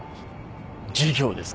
授業ですか。